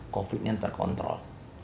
covid yang terkontrol